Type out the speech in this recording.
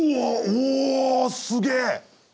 おすげえ！